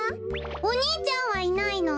お兄ちゃんはいないの？